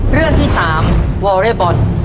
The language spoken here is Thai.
เรื่องที่๓วอเรย์บอล